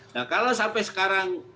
nah kalau sampai sekarang